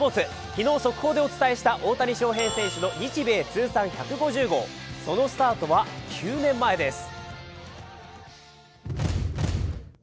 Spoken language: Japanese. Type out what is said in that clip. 昨日速報でお伝えした大谷翔平選手の日米通算１５０号、そのスタートは、９年前です。